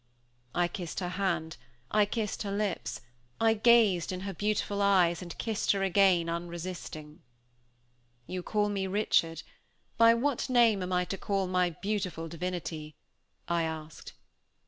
I kissed her hand, I kissed her lips, I gazed in her beautiful eyes, and kissed her again unresisting. "You call me Richard, by what name am I to call my beautiful divinity?" I asked.